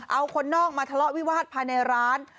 เอาคนนอกมาทะเลาะวิวาสภายในร้าน